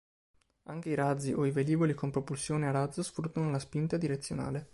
Anche i razzi o i velivoli con propulsione a razzo sfruttano la spinta direzionale.